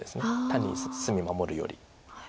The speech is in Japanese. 単に隅守るより。